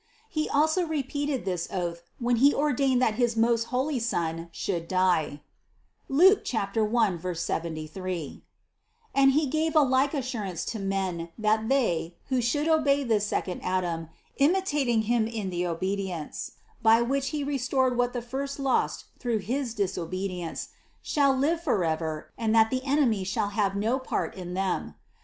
He also repeated this oath, when He ordained that his most holy Son should die (Luke 1, 73) ; and He gave a like assur ance to men that they, who should obey this second Adam, imitating Him in the obedience, by which He re stored what the first lost through his disobedience, shall live forever and that the enemy shall have no part in them.